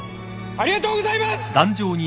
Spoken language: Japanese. ありがとうございます！